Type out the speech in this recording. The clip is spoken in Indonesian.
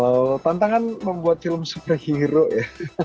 wow tantangan membuat film superhero ya